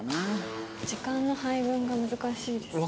時間の配分が難しいですね。